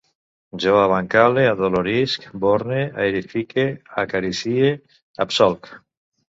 Jo abancale, adolorisc, borne, aerifique, acaricie, absolc